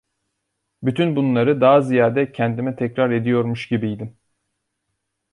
Bütün bunları daha ziyade kendime tekrar ediyormuş gibiydim.